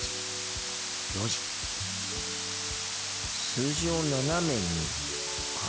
「数字を斜めに」か。